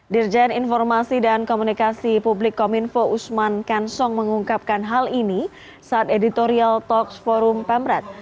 dirjen informasi dan komunikasi publik kominfo usman kansong mengungkapkan hal ini saat editorial talks forum pemret